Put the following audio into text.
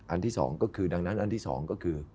อันที่สองก็คือดังนั้นอันที่สองก็คือ